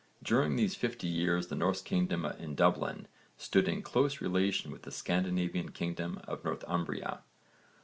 During these fifty years the Norse kingdom in Dublin stood in close relation with the Scandinavian kingdom of Northumbria.